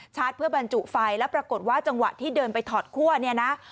เพื่อบรรจุไฟแล้วปรากฏว่าจังหวะที่เดินไปถอดคั่วเนี่ยนะ